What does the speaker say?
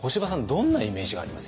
どんなイメージがあります？